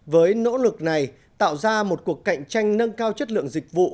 với nỗ lực này tạo ra một cuộc cạnh tranh nâng cao chất lượng dịch vụ